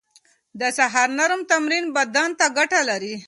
د سهار نرم تمرين بدن ته ګټه لري.